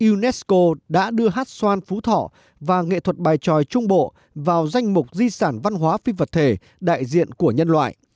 unesco đã đưa hát xoan phú thọ và nghệ thuật bài tròi trung bộ vào danh mục di sản văn hóa phi vật thể đại diện của nhân loại